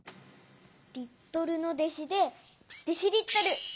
リットルの弟子でデシリットル。